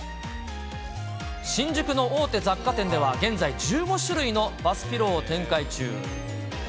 新宿の大手雑貨店では、現在１５種類のバスピローを展開中。